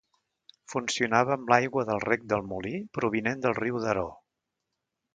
Funcionava amb l'aigua del Rec del Molí, provinent del riu Daró.